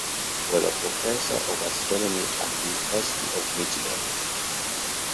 He was a professor of astronomy at the University of Michigan.